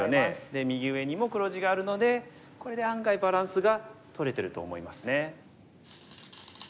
で右上にも黒地があるのでこれで案外バランスがとれてると思いますね。